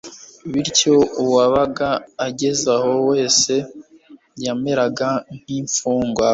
bityo, uwabaga ageze aho wese, yameraga nk'imfungwa